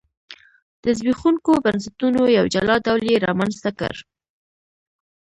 د زبېښونکو بنسټونو یو جلا ډول یې رامنځته کړ.